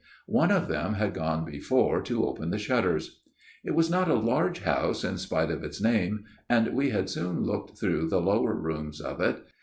" One of them had gone before to open the shutters. " It was not a large house, in spite of its name ; and we had soon looked through the lower rooms of it.